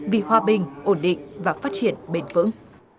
vì hòa bình ổn định và phát triển bền vững